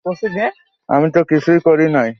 আমি তো কিছুই করি নাই।